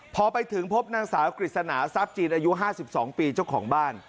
พอไปถึงพบนางสาวกฤษณาทรัพย์จีนอายุ๕๒ปีเจ้าของบ้าน